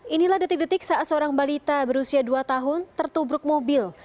inilah detik detik saat seorang balita berusia dua tahun tertubruk mobil